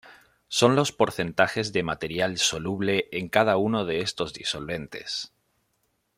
Son los porcentajes de material soluble en cada uno de estos disolventes.